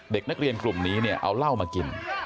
เด็กนักเรียนกลุ่มนี้เนี่ยเอาเหล้ามากิน